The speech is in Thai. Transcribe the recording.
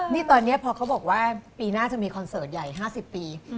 นี่ตอนนี้พอเขาบอกว่าปีหน้าจะมีคอนเสิร์ตใหญ่๕๐ปี